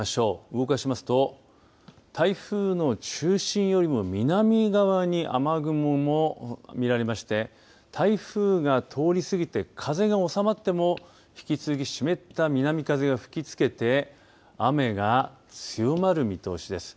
動かしますと台風の中心よりも南側に雨雲も見られまして台風が通り過ぎて風が収まっても引き続き湿った南風が吹きつけて雨が強まる見通しです。